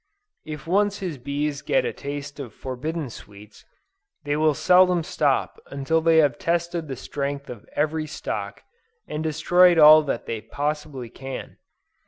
If once his bees get a taste of forbidden sweets, they will seldom stop until they have tested the strength of every stock, and destroyed all that they possibly can.